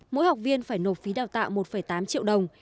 mỗi học viên phải nộp phí đào tạo một tám triệu đồng